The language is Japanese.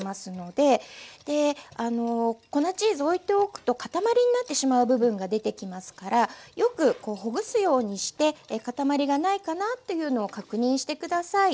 で粉チーズおいておくと塊になってしまう部分が出てきますからよくほぐすようにして塊がないかなっていうのを確認して下さい。